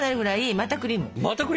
またクリーム？